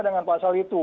dengan pasal itu